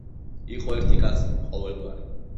იყო ერთი კაცი, ყოველგვარი